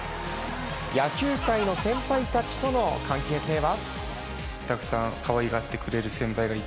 野球界の先輩たちとの関係性は。